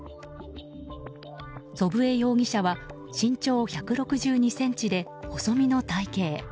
祖父江容疑者は身長１６２ｃｍで細身の体形。